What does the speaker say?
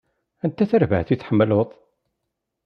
Anta tarbaɛt i tḥemmleḍ?